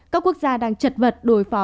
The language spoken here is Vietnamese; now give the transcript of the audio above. các quốc gia đang trật vật đối phó